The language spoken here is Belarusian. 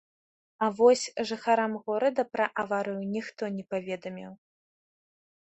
А вос жыхарам горада пра аварыю ніхто не паведаміў.